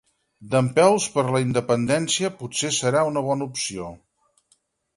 Dempeus per la independència potser serà una bona opció